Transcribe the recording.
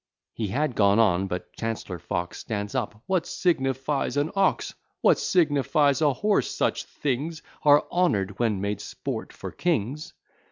He had gone on, but Chancellor Fox Stands up What signifies an ox? What signifies a horse? Such things Are honour'd when made sport for kings.